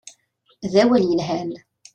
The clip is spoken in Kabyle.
D awal yelhan.